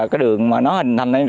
cái đường mà nó hình thành